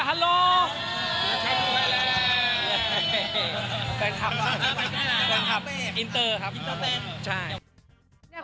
แฟนคลับ